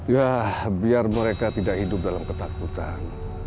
ya biar mereka tidak hidup dalam ketakutan